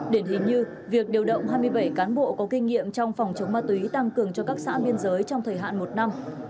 điển hình như việc điều động hai mươi bảy cán bộ có kinh nghiệm trong phòng chống ma túy tăng cường cho các xã biên giới trong thời hạn một năm